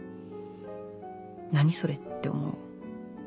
「何？それ」って思う。